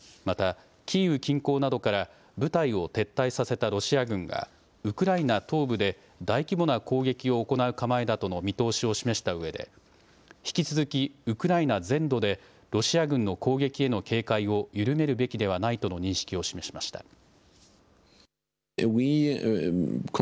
また、キーウ近郊などから部隊を撤退させたロシア軍がウクライナ東部で大規模な攻撃を行う構えだとの見通しを示したうえで引き続きウクライナ全土でロシア軍の攻撃への警戒を緩めるべきではないとの認識を示しました。